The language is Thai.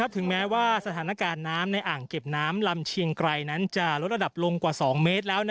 ถึงแม้ว่าสถานการณ์น้ำในอ่างเก็บน้ำลำเชียงไกรนั้นจะลดระดับลงกว่า๒เมตรแล้ว